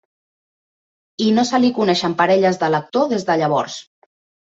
I no se li coneixen parelles de l'actor des de llavors.